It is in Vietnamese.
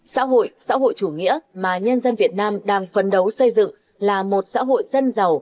xã hội xã hội chủ nghĩa mà nhân dân việt nam đang phấn đấu xây dựng là một xã hội dân giàu